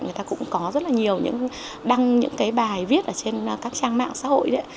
người ta cũng có rất là nhiều đăng những cái bài viết trên các trang mạng xã hội